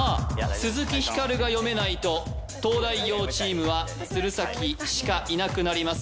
鈴木光が読めないと東大王チームは鶴崎しかいなくなります